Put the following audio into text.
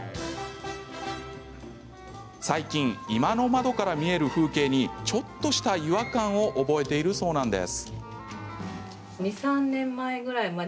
最近、居間の窓から見える風景にちょっとした違和感を覚えているそうなんです。